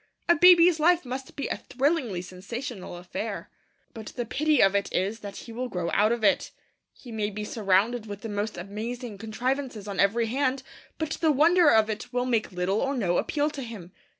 A baby's life must be a thrillingly sensational affair. But the pity of it is that he will grow out of it. He may be surrounded with the most amazing contrivances on every hand, but the wonder of it will make little or no appeal to him.